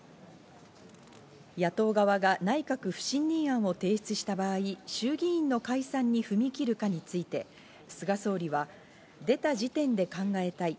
野党側が内閣不信任案を提出した場合、衆議院の解散に踏み切るかについて菅総理は出た時点で考えたい。